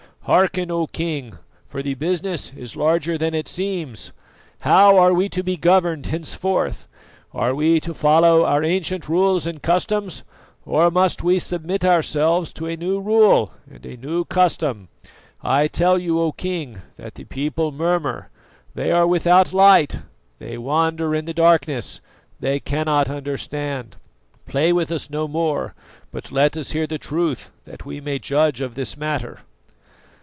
Hearken, O King, for the business is larger than it seems. How are we to be governed henceforth? Are we to follow our ancient rules and customs, or must we submit ourselves to a new rule and a new custom? I tell you, O King, that the people murmur; they are without light, they wander in the darkness, they cannot understand. Play with us no more, but let us hear the truth that we may judge of this matter."